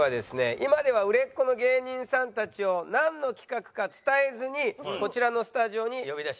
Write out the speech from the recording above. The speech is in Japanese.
今では売れっ子の芸人さんたちをなんの企画か伝えずにこちらのスタジオに呼び出します。